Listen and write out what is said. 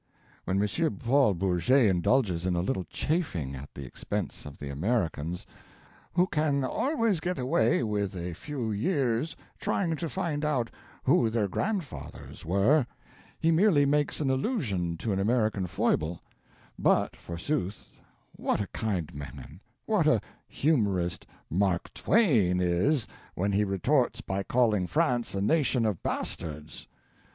[When M. Paul Bourget indulges in a little chaffing at the expense of the Americans, "who can always get away with a few years' trying to find out who their grandfathers were,"] he merely makes an allusion to an American foible; but, forsooth, what a kind man, what a humorist Mark Twain is when he retorts by calling France a nation of bastards!